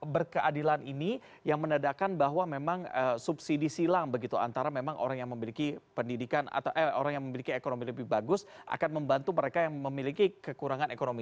berkeadilan ini yang menandakan bahwa memang subsidi silang antara orang yang memiliki ekonomi lebih bagus akan membantu mereka yang memiliki kekurangan ekonomi